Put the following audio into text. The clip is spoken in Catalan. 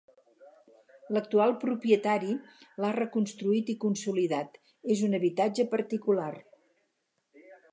L'actual propietari l'ha reconstruït i consolidat, és un habitatge particular.